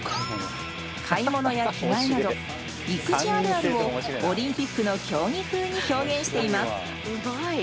買い物や着替えなど育児あるあるをオリンピックの競技風に表現しています。